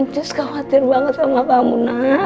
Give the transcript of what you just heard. just khawatir banget sama kamu nana